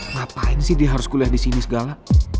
ngapain sih dia harus kuliah disini segala